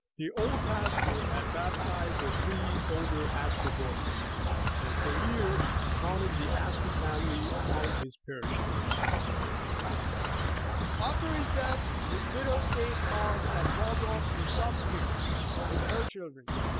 The old pastor had baptised the three older Astor boys, and for years counted th^ Astor family among his parishioners. After his death, his widow stayed on at Waldorf for some years, with her children.